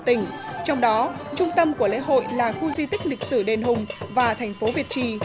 tỉnh trong đó trung tâm của lễ hội là khu di tích lịch sử đền hùng và thành phố việt trì